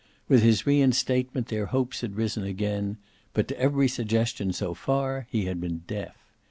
With his reinstatement their hopes had risen again, but to every suggestion so far he had been deaf.